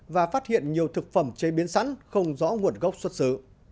và phát hiện nhiều thực phẩm chế biến sẵn không rõ nguồn gốc xuất xứ